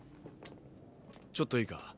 ちょっといいか？